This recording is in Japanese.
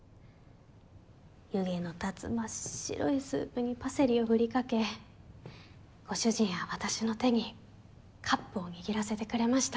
湯気の立つ真っ白いスープにパセリをふりかけご主人は私の手にカップを握らせてくれました。